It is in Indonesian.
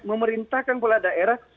memerintahkan kepala daerah